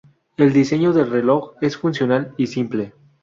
El diseño del reloj es funcional y simple.